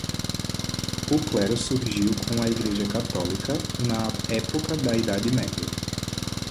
O clero surgiu com a Igreja Católica, na época da Idade Média.